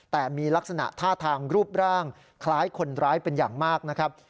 แต่มีลักษณะท่าทางรูปร่างคล้ายคนร้ายเป็นอย่างมากนะครับ